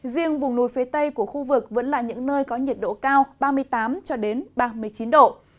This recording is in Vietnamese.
riêng vùng núi phía tây của khu vực vẫn là những nơi có nhiệt độ cao ba mươi tám ba mươi chín độ